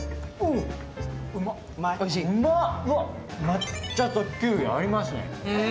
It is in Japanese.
抹茶とキウイ、合いますね。